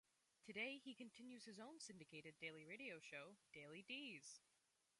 Today he continues his own syndicated daily radio show, "Daily Dees".